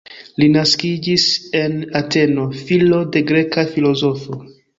Li naskiĝis en Ateno, filo de greka filozofo.